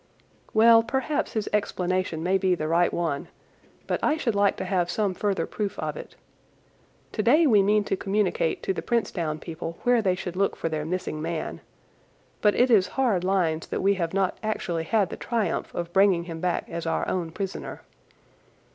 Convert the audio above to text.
Well, perhaps his explanation may be the right one, but I should like to have some further proof of it. Today we mean to communicate to the Princetown people where they should look for their missing man, but it is hard lines that we have not actually had the triumph of bringing him back as our own prisoner.